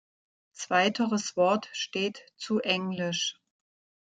Zweiteres Wort steht zu engl.